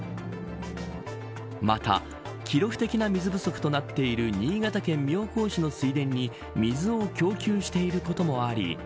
また記録的な水不足となっている新潟県妙高市の水田に水を供給していることもあり